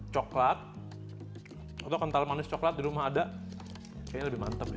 coklat atau kental manis coklat di rumah ada kayaknya lebih mantep ya